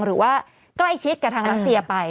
หรือว่าใกล้ชิดกับทางรัสเซียไป